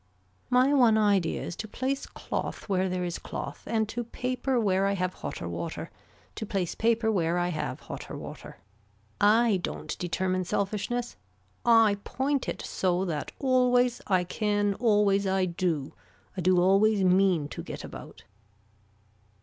My one idea is to place cloth where there is cloth and to paper where I have hotter water, to place paper where I have hotter water. I don't determine selfishness. I point it so that always I can always I do, I do always mean to get about.